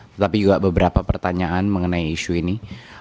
tetapi juga beberapa pertanyaan mengenai isu ini